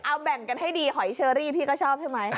เอาแบ่งกันให้ดีหอยเชอรี่พี่ก็ชอบใช่ไหม